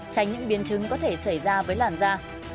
tránh những biến chứng có thể xảy ra với làn da